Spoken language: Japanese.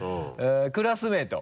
クラスメート？